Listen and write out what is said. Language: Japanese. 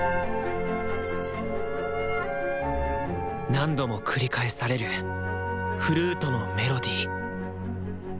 何度も繰り返されるフルートのメロディー。